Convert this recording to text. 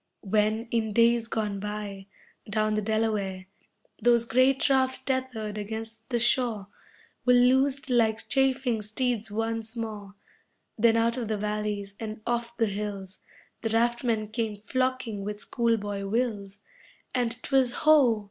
When, in days gone by, down the Delaware Those great rafts tethered against the shore, Were loosed like chafing steeds once more, Then out of the valleys, and off the hills The raftmen came flocking with school boy wills And 'twas ho!